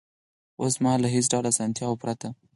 اوس مهال له هېڅ ډول اسانتیاوو پرته